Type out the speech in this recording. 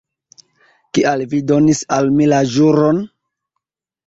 Kial vi donis al mi la ĵuron?